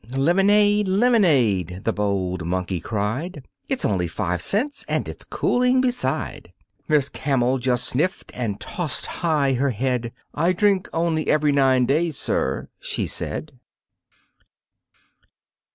"Lemonade, lemonade," the bold monkey cried, "It's only five cents, and it's cooling beside." Miss Camel just sniffed and tossed high her head, "I drink only every nine days, sir," she said.